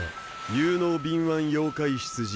有能敏腕妖怪執事